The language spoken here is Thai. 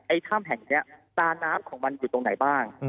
ถ้ำแห่งนี้ตาน้ำของมันอยู่ตรงไหนบ้าง